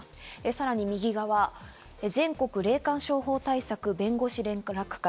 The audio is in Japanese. さらに右側、全国霊感商法対策弁護士連絡会。